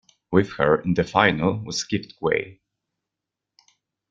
With her in the final was Gift Gwe.